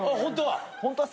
ホントは？